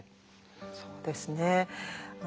そうですね。